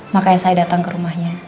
makanya saya datang ke rumahnya